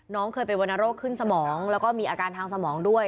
เคยเป็นวรรณโรคขึ้นสมองแล้วก็มีอาการทางสมองด้วย